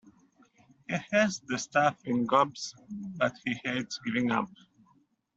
He has the stuff in gobs, but he hates giving up.